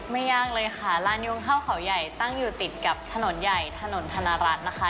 ยากเลยค่ะร้านโยงข้าวเขาใหญ่ตั้งอยู่ติดกับถนนใหญ่ถนนธนรัฐนะคะ